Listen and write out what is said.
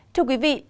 thưa quý vị